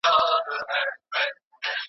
ایا سوسیالستي هیوادونه تګلارې لري؟